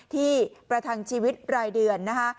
ประทังชีวิตรายเดือนนะคะ